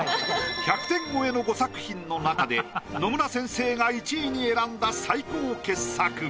１００点超えの５作品の中で野村先生が１位に選んだ最高傑作。